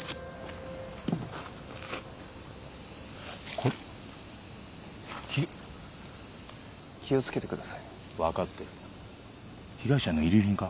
こひ気をつけてください分かってる被害者の遺留品か？